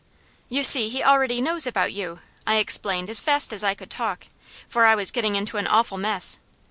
"You see he already knows about you," I explained as fast as I could talk, for I was getting into an awful mess.